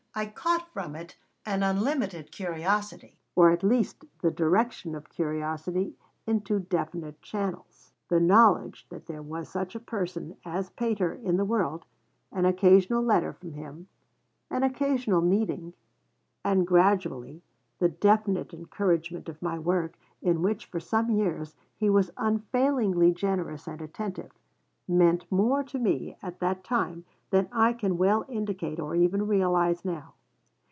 I caught from it an unlimited curiosity, or, at least, the direction of curiosity into definite channels. The knowledge that there was such a person as Pater in the world, an occasional letter from him, an occasional meeting, and, gradually, the definite encouragement of my work in which, for some years, he was unfailingly generous and attentive, meant more to me, at that time, than I can well indicate, or even realise, now.